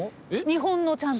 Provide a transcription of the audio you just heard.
日本のチャント。